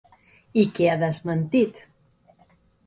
I què ha desmentit?